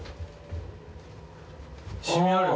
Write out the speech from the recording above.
シミある？